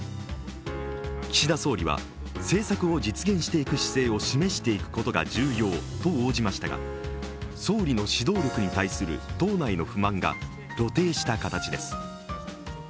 岸田総理は政策を実現していく姿勢を示していくことが重要と応じましたが、総理の指導力に対する党内の不満が露呈した形です。